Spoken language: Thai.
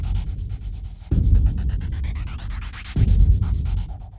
โปรดติดตามต่อไป